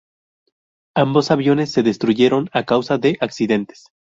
Ambos aviones se destruyeron a causa de accidentes.